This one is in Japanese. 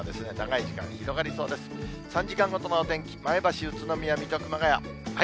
３時間ごとのお天気、前橋、宇都宮、水戸、熊谷。